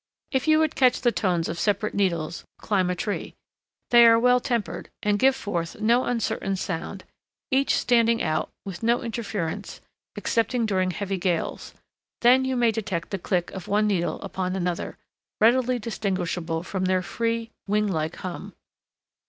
If you would catch the tones of separate needles, climb a tree. They are well tempered, and give forth no uncertain sound, each standing out, with no interference excepting during heavy gales; then you may detect the click of one needle upon another, readily distinguishable from their free, wing like hum.